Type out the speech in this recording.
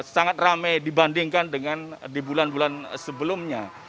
sangat ramai dibandingkan dengan di bulan bulan sebelumnya